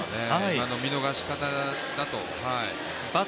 あの、見逃し方だと。